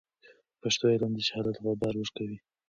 په پښتو علم د جهالت غبار ورکوي.